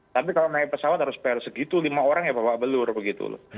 tapi kalau naik pesawat harus bayar segitu lima orang ya bawa belur begitu loh